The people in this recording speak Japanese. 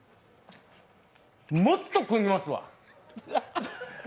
もっと食いますわ。